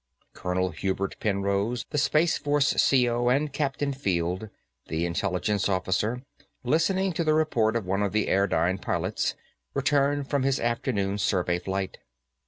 Colonel Hubert Penrose, the Space Force CO, and Captain Field, the intelligence officer, listening to the report of one of the airdyne pilots, returned from his afternoon survey flight.